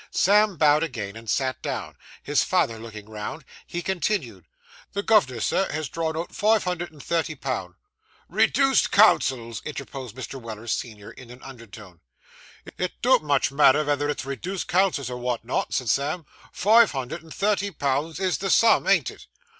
Sam bowed again and sat down; his father looking round, he continued 'The gov'nor, sir, has drawn out five hundred and thirty pound.' 'Reduced counsels,' interposed Mr. Weller, senior, in an undertone. 'It don't much matter vether it's reduced counsels, or wot not,' said Sam; 'five hundred and thirty pounds is the sum, ain't it?